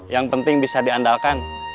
yang penting bisa diandalkan